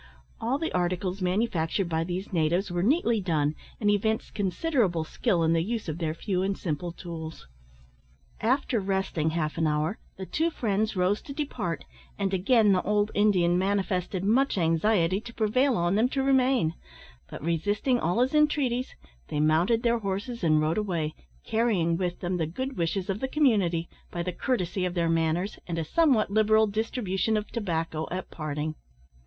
All the articles manufactured by these natives were neatly done, and evinced considerable skill in the use of their few and simple tools. After resting half an hour, the two friends rose to depart, and again the old Indian manifested much anxiety to prevail on them to remain; but resisting all his entreaties, they mounted their horses and rode away, carrying with them the good wishes of the community, by the courtesy of their manners, and a somewhat liberal distribution of tobacco at parting.